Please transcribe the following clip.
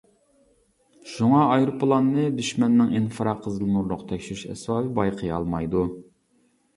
شۇڭا ئايروپىلاننى دۈشمەننىڭ ئىنفىرا قىزىل نۇرلۇق تەكشۈرۈش ئەسۋابى بايقىيالمايدۇ.